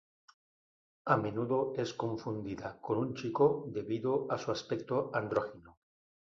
A menudo es confundida con un chico debido a su aspecto andrógino.